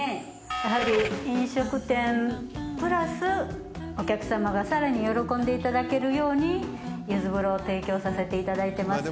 やはり飲食店プラスお客様がさらに喜んで頂けるように柚子風呂を提供させて頂いてます。